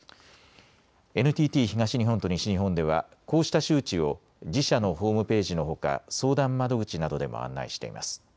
ＮＴＴ東日本と西日本ではこうした周知を自社のホームページのほか相談窓口などでも案内しています。